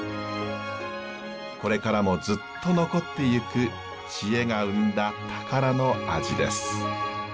これからもずっと残ってゆく知恵が生んだ宝の味です。